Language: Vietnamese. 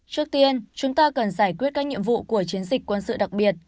trước tiên chúng ta cần giải quyết các nhiệm vụ của chiến dịch quân sự đặc biệt